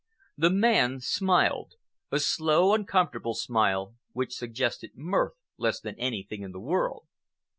The man smiled—a slow, uncomfortable smile which suggested mirth less than anything in the world.